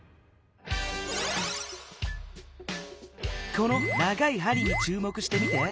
この長い針にちゅうもくしてみて。